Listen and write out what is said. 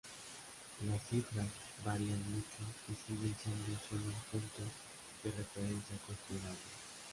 Las cifras varían mucho, y siguen siendo solo un punto de referencia cuestionable.